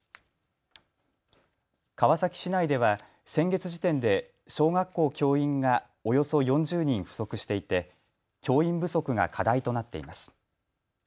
川崎市内では先月時点で小学校教員がおよそ４０人不足していて教員不足が課題となっています。